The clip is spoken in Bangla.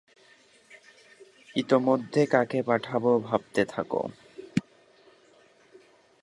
ইতোমধ্যে কাকে পাঠাবে ভাবতে থাক।